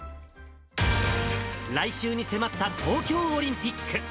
来週に迫った東京オリンピック。